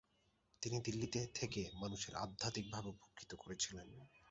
তিনি দিল্লিতে থেকে মানুষকে আধ্যাত্মিকভাবে উপকৃত করেছিলেন।